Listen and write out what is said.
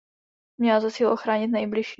Měla za cíl ochránit nejbližší.